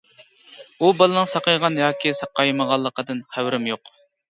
ئۇ بالىنىڭ ساقايغان ياكى ساقايمىغانلىقىدىن خەۋىرىم يوق.